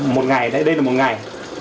một ngày đây là một ngày